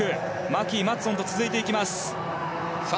マキー、マッツォンと続いていきます。